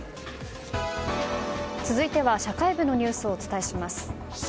続いては社会部のニュースをお伝えします。